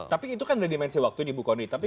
tapi itu kan dimensi waktu nih bu kondi tapi